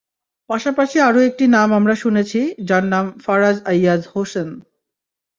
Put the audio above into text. পাশাপাশি আরও একটি নাম আমরা শুনেছি, যার নাম ফারাজ আইয়াজ হোসেন।